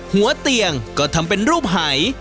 หัวเตียงก็ทำเป็นรูปหาย